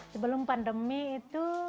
sebelum pandemi itu